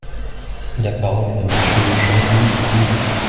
La parole est à Monsieur Jean-Louis Dumont.